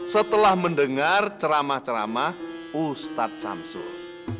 setelah mendengar ceramah ceramah ustadz samsul